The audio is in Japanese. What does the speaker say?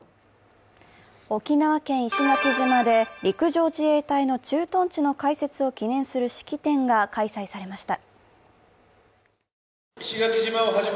沖縄県石垣島で陸上自衛隊の駐屯地の開設を記念する式典が開催されました。